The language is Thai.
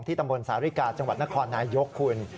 ตำบลสาริกาจังหวัดนครนายยกคุณ